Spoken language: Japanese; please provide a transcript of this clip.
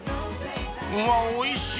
うわっおいしい！